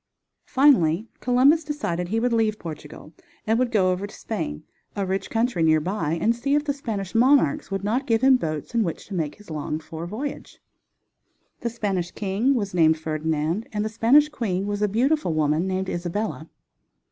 Finally Columbus decided he would leave Portugal and would go over to Spain, a rich country near by, and see if the Spanish monarchs would not give him boats in which to make his longed for voyage. The Spanish king was named Ferdinand, and the Spanish queen was a beautiful woman named Isabella.